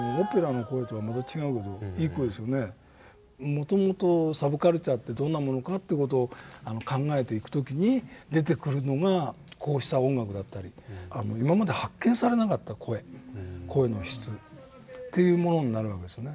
もともとサブカルチャーってどんなものかっていう事を考えていく時に出てくるのがこうした音楽だったり今まで発見されなかった声声の質というものになるわけですよね。